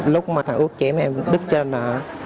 lúc mà thằng út chém em đứt trên là